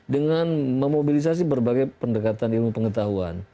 dengan memobilisasi berbagai pendekatan ilmu pengetahuan